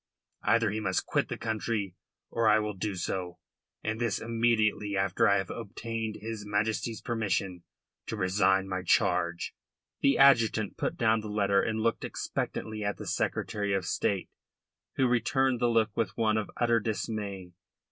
Either he must quit the country, or I will do so, and this immediately after I have obtained his Majesty's permission to resign my charge.'" The adjutant put down the letter and looked expectantly at the Secretary of State, who returned the look with one of utter dismay.